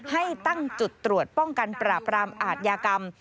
ให้ตั้งจุดตรวจป้องกันปราบรามอาทยากรรม